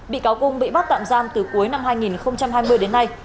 bị cáo cung bị bắt tạm giam từ cuối năm hai nghìn hai mươi đến nay